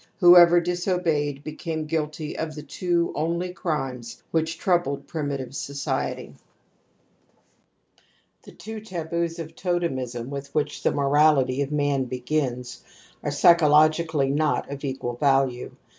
Whoever disobeyed became guilty otTHe two only crimes which troubled primitive society®®. The two taboos oftotemism with which the moraUty of man begins are psychologically not of equal value.